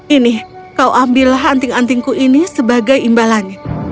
ini kau ambillah anting antingku ini sebagai imbalan